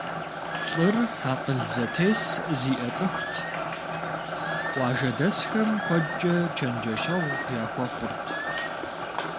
ЛӀыр акъыл зэтес зиӀэ цӀыхут, къуажэдэсхэм куэдкӀэ чэнджэщэгъу яхуэхъурт.